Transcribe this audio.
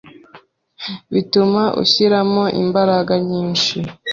Bituma ushyiramo imbaraga nyinshi